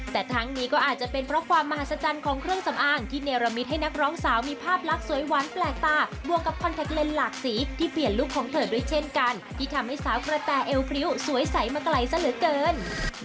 แต่ทั้งนี้ก็อาจจะเป็นเพราะความมหัศจรรย์ของเครื่องสำอางที่เนรมิตให้นักร้องสาวมีภาพลักษณ์สวยหวานแปลกตาบวกกับคอนแท็กเลนส์หลากสีที่เปลี่ยนลุคของเธอด้วยเช่นกันที่ทำให้สาวกระแต่เอวพริ้วสวยใสมาไกลซะเหลือเกิน